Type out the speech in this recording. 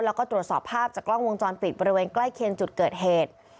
แล้วก็ตรวจสอบภาพจากกล้องวงจรปิดบริเวณใกล้เคียงจุดเกิดเหตุ